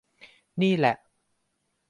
นี่แหละ